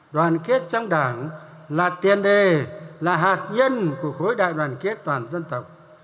đoàn kết trong đảng là tiền đề là hạt nhân của khối đại đoàn kết toàn dân tộc